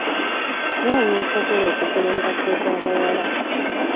Wa wensobola okugula engato z'abawala?